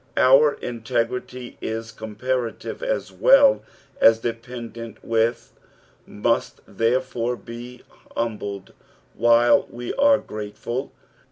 Our integrity is comparative as well as dependent, we must therefore be humbled while wo are grateful.